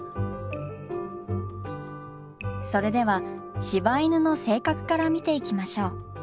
それでは柴犬の性格から見ていきましょう。